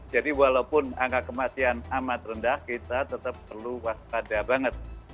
walaupun angka kematian amat rendah kita tetap perlu waspada banget